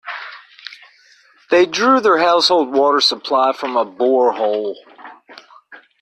They drew their household water supply from a borehole.